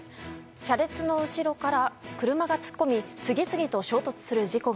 車列の後ろから車が突っ込み次々と衝突する事故が。